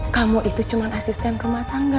kamu itu cuma asisten rumah tangga